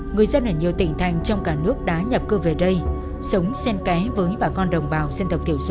người dân ở nhiều tỉnh thành trong cả nước đã nhập cư về đây sống sen ké với bà con đồng bào sân thộc tiểu số